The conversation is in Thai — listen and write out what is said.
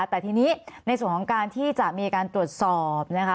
แต่ทีนี้ในส่วนของการที่จะมีการตรวจสอบนะคะ